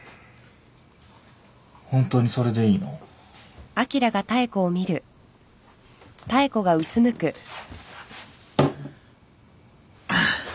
ホントにそれでいいの？ハァ。